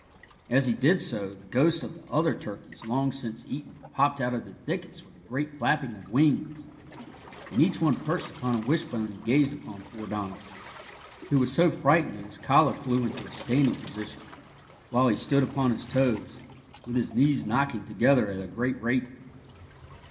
As he did so, the ghosts of the other turkeys long since eaten popped out of the thickets with a great flapping of wings, and each one perched upon a wishbone and gazed upon poor Donald, who was so frightened that his collar flew into a standing position, while he stood upon his toes, with his knees knocking together at a great rate.